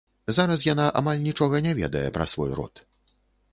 Зараз яна амаль нічога не ведае пра свой род.